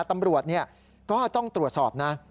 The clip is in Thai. ตำรวจก็ต้องตรวจสอบนะ